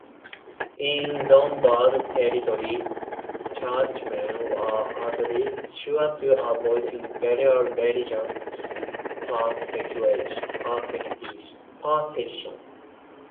In Lombard territory, churchmen were at least sure to avoid imperial religious persecution.